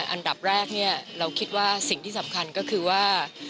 อันดับแรกเราคิดว่าสิ่งที่สำคัญก็คือว่า